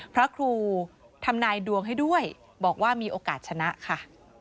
พระครูทำนายดวงให้ด้วยบอกว่ามีโอกาสชนะค่ะ